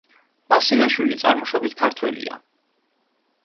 ბასილაშვილი წარმოშობით ქართველია.